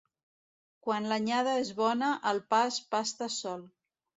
Quan l'anyada és bona el pa es pasta sol.